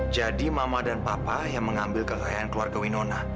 jadi mama dan papa yang mengambil kekayaan keluarga winona